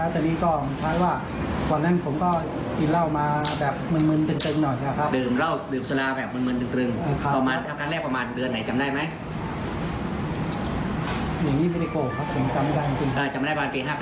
เธออาจจะไม่ได้บานปี๕๘